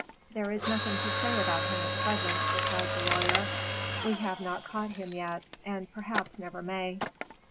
"There is nothing to say about him at present," replied the lawyer. "We have not caught him yet, and perhaps never may."